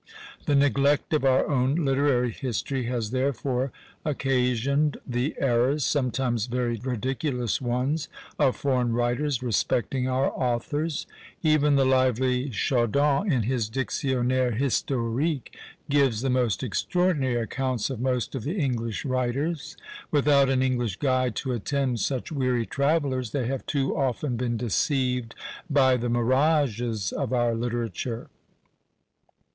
The neglect of our own literary history has, therefore, occasioned the errors, sometimes very ridiculous ones, of foreign writers respecting our authors. Even the lively Chaudon, in his "Dictionnaire Historique," gives the most extraordinary accounts of most of the English writers. Without an English guide to attend such weary travellers, they have too often been deceived by the mirages of our literature.